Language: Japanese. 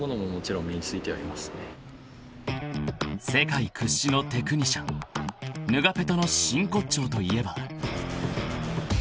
［世界屈指のテクニシャンヌガペトの真骨頂といえば］